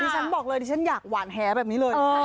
ฉันบอกเลยดิฉันอยากหวานแหแบบนี้เลย